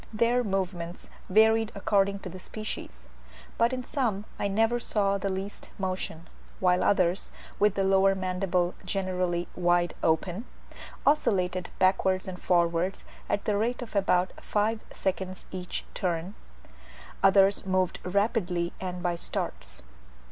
Their movements varied according to the species; but in some I never saw the least motion; while others, with the lower mandible generally wide open, oscillated backwards and forwards at the rate of about five seconds each turn, others moved rapidly and by starts.